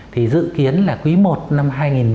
thì dự kiến là quý i năm hai nghìn một mươi chín